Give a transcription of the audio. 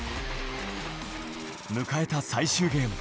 迎えた最終ゲーム。